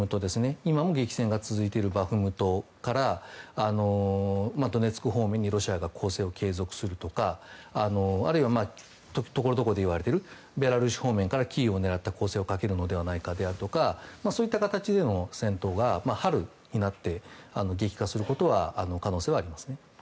今も激戦が続いているバフムトからドネツク方面にロシアが攻勢を強めていくとかあるいはところどころでいわれているベラルーシ方面からキーウを狙った攻勢をかけるのではないかとかそういった形での戦闘が春になって激化する可能性はありますね。